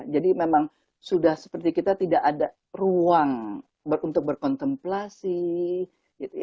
jadi memang sudah seperti kita tidak ada ruang untuk berkontemplasi